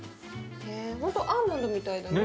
ほんとアーモンドみたいだね。